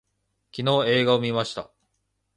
昨日映画を見ました